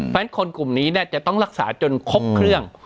เพราะฉะนั้นคนกลุ่มนี้จะต้องรักษาจนครบเครื่อง